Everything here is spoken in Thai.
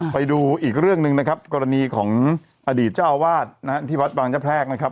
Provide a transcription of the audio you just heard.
ไปดูอีกเรื่องหนึ่งนะครับกรณีของอดีตเจ้าอาวาสนะฮะที่วัดบางเจ้าแพรกนะครับ